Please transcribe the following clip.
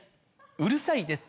うるさいです。